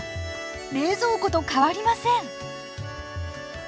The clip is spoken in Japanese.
冷蔵庫と変わりません。